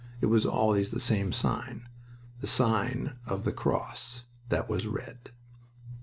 It was always the same sign the Sign of the Cross that was Red.